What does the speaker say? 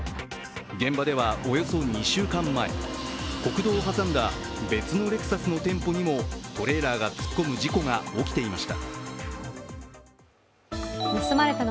現場では、およそ２週間前国道を挟んだ別のレクサスの店舗にもトレーラーが突っ込む事故が起きていました。